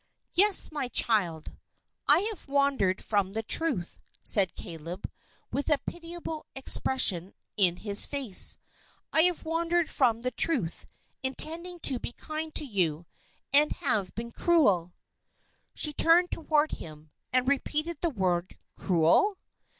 "Yes, my child; I have wandered from the truth," said Caleb, with a pitiable expression in his face. "I have wandered from the truth, intending to be kind to you; and have been cruel." She turned toward him, and repeated the word, "Cruel?"